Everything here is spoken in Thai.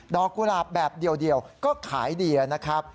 กุหลาบแบบเดียวก็ขายดีนะครับ